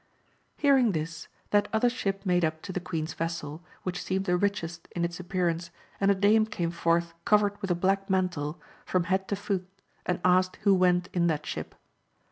Hearing this, that other ship made up to the queen's vessel, which seemed the richest in its appearance, and a dame came forth covered with a black mantle, from head to foot, and asked who went in that ship.